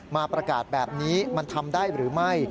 มาประกาศแบบนี้มันทำได้หรือไม่